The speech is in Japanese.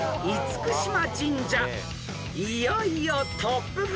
［いよいよトップ５］